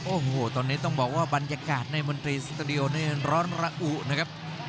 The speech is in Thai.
โอ้โหตอนนี้ต้องบอกว่าบรรยากาศในมนตรีสตูดิโอนี่ร้อนระอุนะครับ